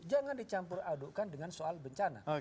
jangan dicampur adukkan dengan soal bencana